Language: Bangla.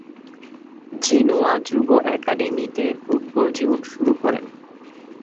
জেনোয়া যুব অ্যাকাডেমিতে ফুটবল জীবন শুরু করেন।